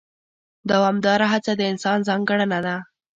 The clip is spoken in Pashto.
دوامداره هڅه د انسان ځانګړنه ده.